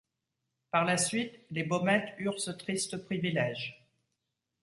Par la suite, les Baumettes eurent ce triste privilège.